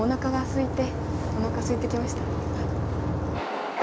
お腹すいてきました。